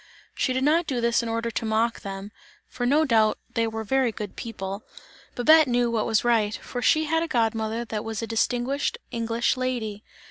She did not do this in order to mock them, for no doubt they were very good people, yes! kind and amiable. Babette knew what was right, for she had a god mother that was a distinguished English lady.